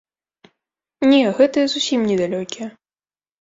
Не, гэтыя зусім не далёкія.